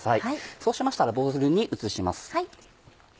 そうしましたらボウルに移します。